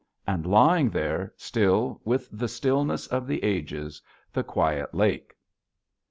And lying there, still with the stillness of the ages, the quiet lake.